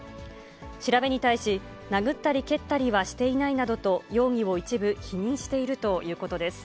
調べに対し、殴ったり蹴ったりはしていないなどと、容疑を一部否認しているということです。